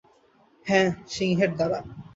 হ্যাঁ, সিংহের দ্বারা।